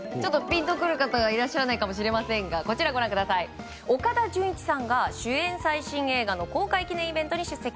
ピンとくる方いらっしゃらないかもしれませんが岡田准一さんが主演最新映画の公開記念イベントに出席。